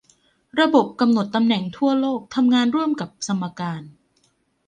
ระบบกำหนดตำแหน่งทั่วโลกทำงานร่วมกับสมการ